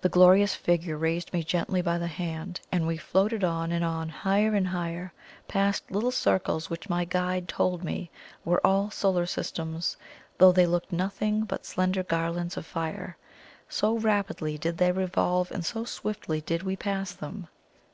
The glorious figure raised me gently by the hand, and we floated on and on, higher and higher, past little circles which my guide told me were all solar systems, though they looked nothing but slender garlands of fire, so rapidly did they revolve and so swiftly did we pass them.